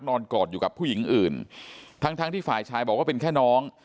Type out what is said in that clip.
กอดอยู่กับผู้หญิงอื่นทั้งทั้งที่ฝ่ายชายบอกว่าเป็นแค่น้อง